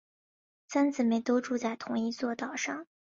三姊妹都住在同一座岛上。